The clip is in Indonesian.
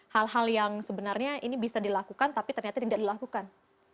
hal hal yang sebenarnya ini bisa dilakukan tapi ternyata tidak dilakukan